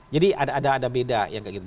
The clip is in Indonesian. jadi ada beda yang kayak gitu